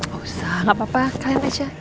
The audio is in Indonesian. gak usah nggak apa apa kalian aja